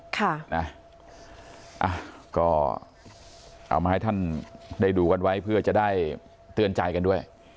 ค่ะนะก็เอามาให้ท่านได้ดูกันไว้เพื่อจะได้เตือนใจกันด้วย